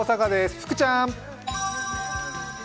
福ちゃん。